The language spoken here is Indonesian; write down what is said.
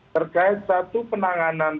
terkait satu penanganan